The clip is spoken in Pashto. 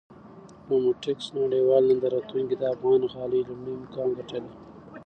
ډوموټکس نړېوال نندارتون کې د افغانستان غالۍ لومړی مقام ګټلی!